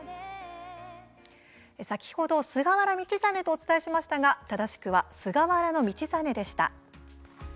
先ほど菅原道真とお伝えしましたが菅原道真でした。